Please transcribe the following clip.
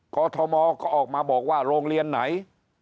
อทมก็ออกมาบอกว่าโรงเรียนไหน